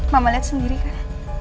mama lihat sendiri kan